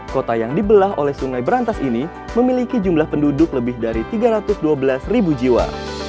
kota yang dibelah oleh sungai berantas ini memiliki jumlah penduduk lebih dari tiga ratus dua belas ribu jiwa